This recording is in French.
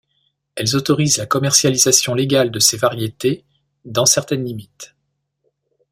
Elles autorisent la commercialisation légale de ces variétés, dans certaines limites.